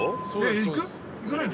行かないの？